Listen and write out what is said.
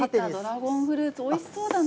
ドラゴンフルーツ、おいしそうだな。